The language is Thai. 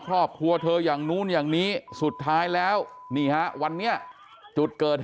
ครอบครัวเธออย่างนู้นอย่างนี้สุดท้ายแล้วนี่ฮะวันนี้จุดเกิด